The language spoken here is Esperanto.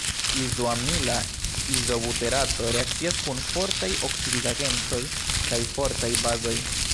Izoamila izobuterato reakcias kun fortaj oksidigagentoj kaj fortaj bazoj.